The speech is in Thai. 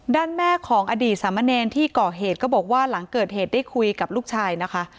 ด้านแม่ของอดีตสามเณรที่ก่อเหตุก็บอกว่าหลังเกิดเหตุได้คุยกับลูกชายนะคะ